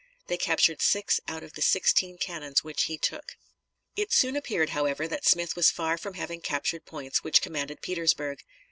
They captured six out of the sixteen cannons which he took. It soon appeared, however, that Smith was far from having captured points which commanded Petersburg.